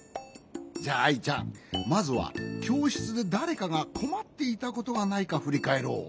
じゃあアイちゃんまずはきょうしつでだれかがこまっていたことがないかふりかえろう。